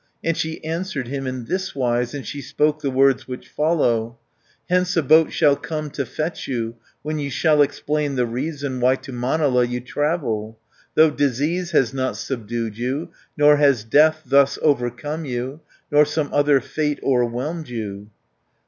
And she answered him in thiswise, And she spoke the words which follow: "Hence a boat shall come to fetch you, When you shall explain the reason Why to Manala you travel. Though disease has not subdued you. Nor has death thus overcome you, Nor some other fate o'erwhelmed you."